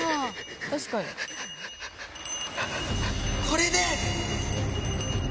これで！